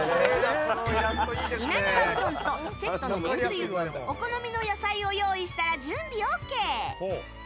稲庭うどんとセットのめんつゆお好みの野菜を用意したら準備ＯＫ。